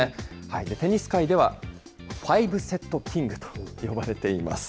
テニス界では、ファイブセットキングと呼ばれています。